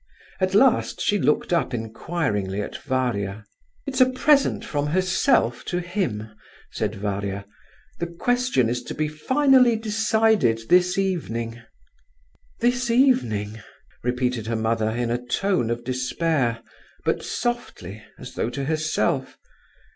At last she looked up inquiringly at Varia. "It's a present from herself to him," said Varia; "the question is to be finally decided this evening." "This evening!" repeated her mother in a tone of despair, but softly, as though to herself.